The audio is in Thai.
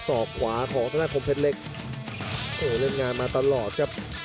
สอกขวาของคอมเพชรเล็กเล่นงานมาตลอดครับ